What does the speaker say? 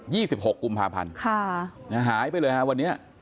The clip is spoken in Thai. ี่สิบหกกุมภาพันธ์ค่ะนะฮะหายไปเลยฮะวันนี้